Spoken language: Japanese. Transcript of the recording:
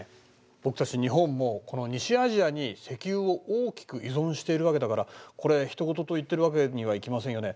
僕たち日本もこの西アジアに石油を大きく依存しているわけだからこれひと事と言ってるわけにはいきませんよね。